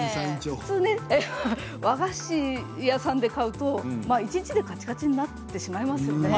普通ね和菓子屋さんで買うと一日でかちかちになってしまいますよね。